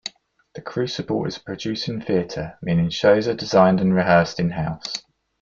The Crucible is a producing theatre, meaning shows are designed and rehearsed in-house.